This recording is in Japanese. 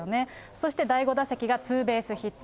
そして第５打席がツーベースヒット。